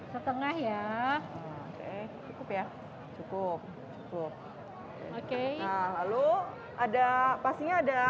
setengah ya oke cukup ya cukup cukup oke lalu ada pastinya ada